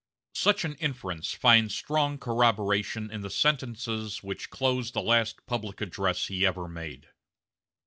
Such an inference finds strong corroboration in the sentences which closed the last public address he ever made.